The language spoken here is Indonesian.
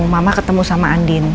mama ketemu sama andin